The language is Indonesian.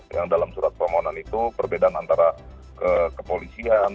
yang dalam surat permohonan itu perbedaan antara kepolisian